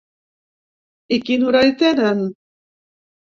I quin horari tenen?